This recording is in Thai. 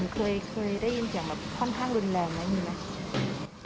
เคยได้ยินเสียงแบบค่อนข้างรุนแรงไหมมีไหม